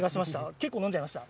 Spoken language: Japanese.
結構飲んじゃいました。